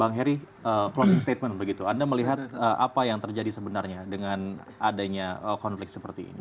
bang heri closing statement begitu anda melihat apa yang terjadi sebenarnya dengan adanya konflik seperti ini